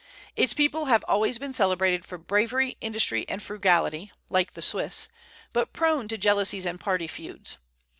Its people have always been celebrated for bravery, industry, and frugality (like the Swiss), but prone to jealousies and party feuds.